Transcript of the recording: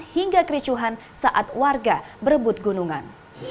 hingga kericuhan saat warga berebut gunungan